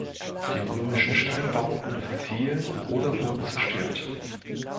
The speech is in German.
Die römischen Steinbauten verfielen oder wurden zerstört.